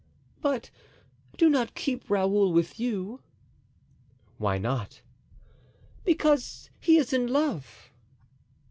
"But do not keep Raoul with you." "Why not?" "Because he is in love."